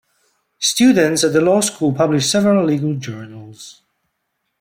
Students at the Law School publish several legal journals.